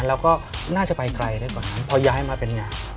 แล้วก็น่าจะไปไกลได้กว่านั้นพอย้ายมาเป็นเนี่ย